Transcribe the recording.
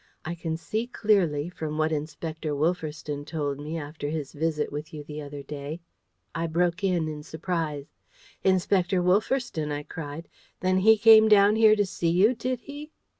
I can see clearly, from what Inspector Wolferstan told me, after his visit to you the other day " I broke in, in surprise. "Inspector Wolferstan!" I cried. "Then he came down here to see you, did he?"